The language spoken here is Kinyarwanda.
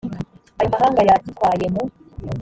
ayo mahanga yagitwaye mu